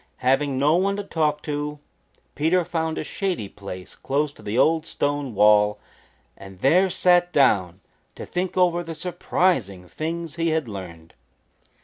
Having no one to talk to, Peter found a shady place close to the old stone wall and there sat down to think over the surprising things he had learned.